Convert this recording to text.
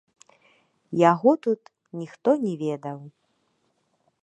Яго тут ніхто не ведаў.